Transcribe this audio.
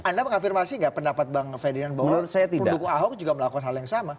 anda mengafirmasi nggak pendapat bang ferdinand bahwa pendukung ahok juga melakukan hal yang sama